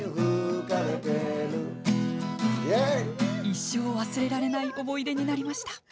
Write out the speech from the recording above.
一生忘れられない思い出になりました。